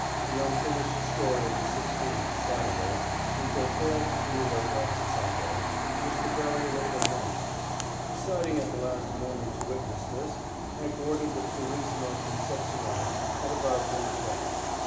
The unfinished story of the 16th, Saturday, which I failed to relate last Sunday, was the burial of the Maine. Deciding at the last moment to witness this, I boarded the Purisima Concepcion at about 1 o'clock.